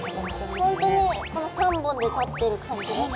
ホントにこの３本で立ってる感じがする。